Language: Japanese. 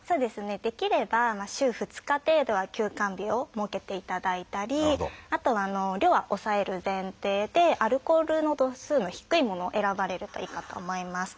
できれば週２日程度は休肝日を設けていただいたりあと量は抑える前提でアルコールの度数の低いものを選ばれるといいかと思います。